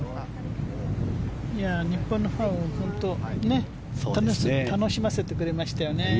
日本のファンを本当に楽しませてくれましたよね。